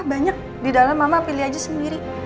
banyak di dalam mama pilih aja sendiri